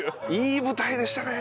いい舞台でしたね！